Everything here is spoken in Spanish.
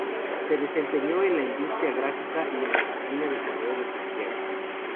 Se desempeñó en la industria gráfica y en la oficina de Correo de Santiago.